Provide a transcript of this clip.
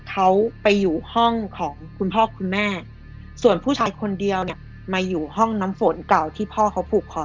เขาไปอยู่ห้องของคุณพ่อคุณแม่